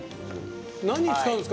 何に使うんですか？